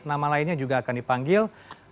nama lainnya juga akan dipanggil